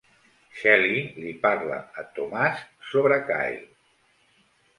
Shelly li parla a Tomàs sobre Kyle.